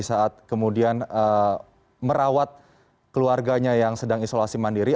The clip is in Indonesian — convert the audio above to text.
saat kemudian merawat keluarganya yang sedang isolasi mandiri